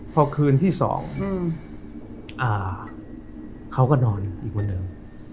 พอคืนที่สองเขาก็นอนอีกวันเดิม